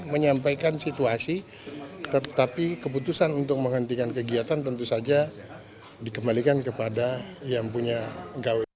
kemenpora juga akan berkongsi tentang kegiatan olahraga yang sedang dan akan dilaksanakan